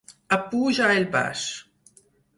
Apuja el baix.